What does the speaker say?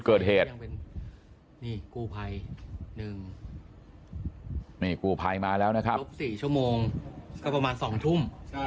เกิดเหตุนี่กู้ไพมาแล้วนะครับ๔ชั่วโมงก็ประมาณ๒ทุ่ม